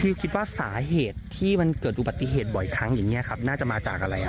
คือคิดว่าสาเหตุที่มันเกิดอุบัติเหตุบ่อยครั้งอย่างนี้ครับน่าจะมาจากอะไรครับ